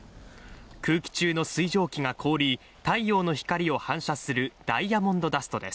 空気中の水蒸気が氷り太陽の光を反射するダイヤモンドダストです。